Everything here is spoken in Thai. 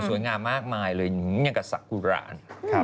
งามมากมายเลยอย่างกับสักกุราน